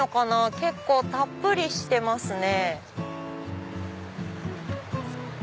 結構たっぷりしてますね。